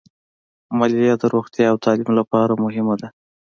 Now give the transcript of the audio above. مالیه د روغتیا او تعلیم لپاره مهمه ده.